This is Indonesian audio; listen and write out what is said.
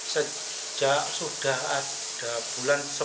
sejak sudah ada bulan sebelas itu